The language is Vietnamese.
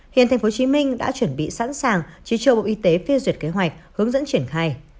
hiện tp hcm đã chuẩn bị sẵn sàng chỉ cho bộ y tế phê duyệt kế hoạch hướng dẫn triển khai